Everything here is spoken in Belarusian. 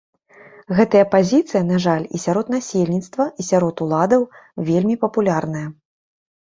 Гэтая пазіцыя, на жаль, і сярод насельніцтва, і сярод уладаў вельмі папулярная.